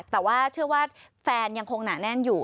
แต่ว่าเชื่อว่าแฟนยังคงหนาแน่นอยู่